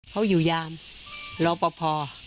เขาอยู่ยามรอปภ